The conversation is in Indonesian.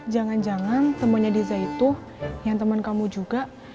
jangan jangan temennya diza itu yang temen kamu juga